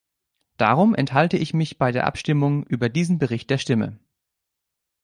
Darum enthalte ich mich bei der Abstimmung über diesen Bericht der Stimme.